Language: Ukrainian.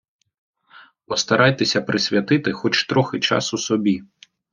Постарайтеся присвятити хоч трохи часу собі.